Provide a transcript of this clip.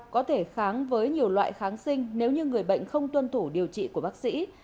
có thể kháng với nhiều loại kháng sinh nếu như người bệnh không tuân thủ điều trị của bác sĩ